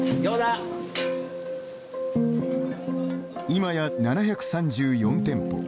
今や７３４店舗。